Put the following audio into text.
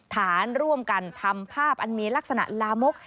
ฐานร่วมกันทำภาพอันมีลักษณะลามก